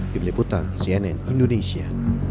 dibeliputan cnn indonesia